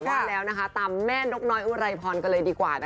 วันแล้วตามแม่นกน้อยเอื้อไรพรก็เลยดีกว่า